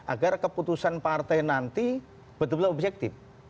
agar keputusan partai nanti betul betul objektif